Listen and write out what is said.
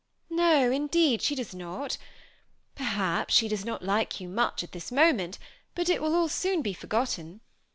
" No, indeed, she does not ! perhaps she does not like yoa moeh at this mom^it, bat it will all soon be forgot ten.